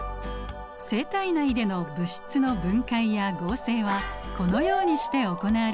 生体内での物質の分解や合成はこのようにして行われているのです。